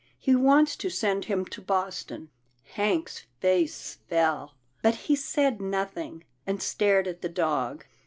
He wants to send him to Boston." Hank's face fell, but he said nothing, and stared at the dog.